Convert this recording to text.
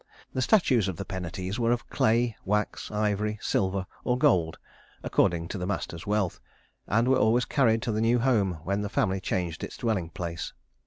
The statues of the Penates were of clay, wax, ivory, silver, or gold according to the master's wealth, and were always carried to the new home when the family changed its dwelling place.